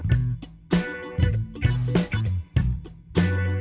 semoga dapat and menguntungkan